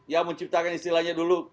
ya menciptakan istilahnya dulu